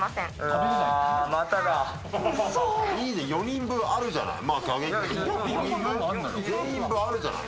４人分あるじゃない。